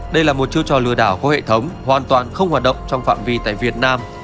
đây là một chiêu trò lừa đảo có hệ thống hoàn toàn không hoạt động trong phạm vi tại việt nam